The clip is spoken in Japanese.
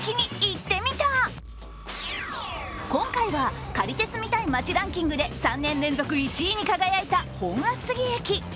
今回は、借りて住みたい街ランキングで３年連続１位に輝いた本厚木駅。